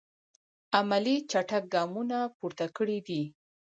عملي چټک ګامونه پورته کړی دي.